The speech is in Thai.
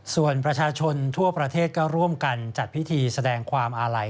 ส่วนประชาชนทั่วประเทศก็ร่วมกันจัดพิธีแสดงความอาลัย